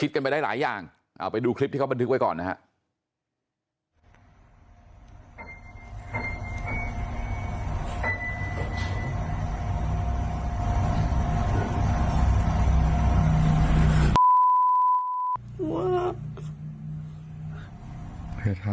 กันไปได้หลายอย่างเอาไปดูคลิปที่เขาบันทึกไว้ก่อนนะครับ